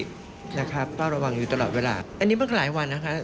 นะครับเฝ้าระวังอยู่ตลอดเวลาอันนี้มันก็หลายวันนะคะ